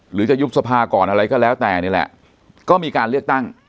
หรือจะยุบสภาก่อนอะไรก็แล้วแต่นี่แหละก็มีการเลือกตั้ง